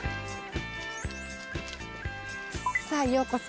さあようこそ。